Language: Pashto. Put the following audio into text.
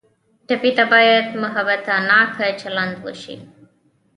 ټپي ته باید محبتناکه چلند وشي.